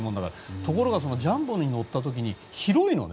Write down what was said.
ところがジャンボに乗った時に広いのね。